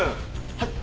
はい。